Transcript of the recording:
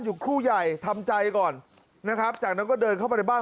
อยู่ครู่ใหญ่ทำใจก่อนนะครับจากนั้นก็เดินเข้ามาในบ้าน